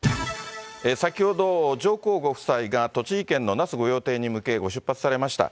先ほど、上皇ご夫妻が栃木県の那須御用邸に向け、ご出発されました。